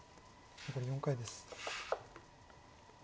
残り４回です。